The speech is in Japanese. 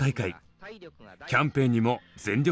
キャンペーンにも全力投球！